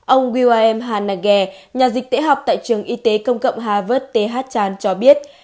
ông william hanage nhà dịch tễ học tại trường y tế công cộng harvard th chan cho biết